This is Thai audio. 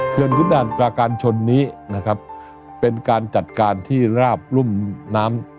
ขุนด่านประการชนนี้นะครับเป็นการจัดการที่ราบรุ่มน้ำ